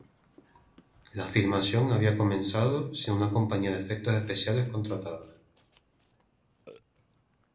La filmación había comenzado sin una compañía de efectos especiales contratada.